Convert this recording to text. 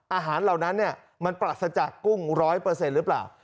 อาหารเหล่านั้นเนี่ยมันปรัสจากกุ้งร้อยเปอร์เซ็นต์หรือเปล่า